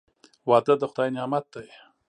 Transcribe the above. • واده د خدای نعمت دی.